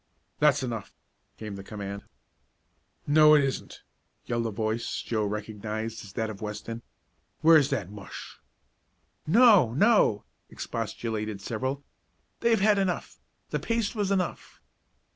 "That's enough," came the command. "No, it isn't!" yelled a voice Joe recognized as that of Weston. "Where's that mush?" "No! No!" expostulated several. "They've had enough the paste was enough."